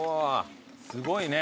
すごいね。